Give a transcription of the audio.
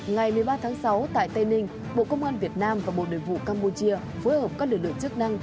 ngày một mươi ba tháng sáu tại tây ninh bộ công an việt nam và bộ nội vụ campuchia phối hợp các lực lượng chức năng